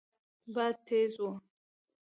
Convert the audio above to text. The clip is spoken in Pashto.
باد تېز و.